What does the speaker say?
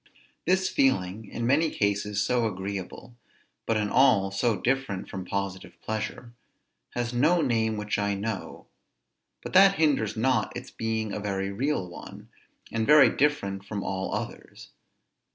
This feeling, in many cases so agreeable, but in all so different from positive pleasure, has no name which I know; but that hinders not its being a very real one, and very different from all others.